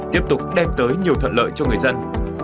tiếp tục đem tới nhiều thuận lợi cho người dân